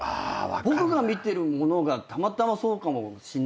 僕が見てるものがたまたまそうかもしんないですけど。